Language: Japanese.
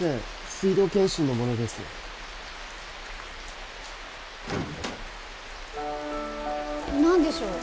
水道検針の者です何でしょう？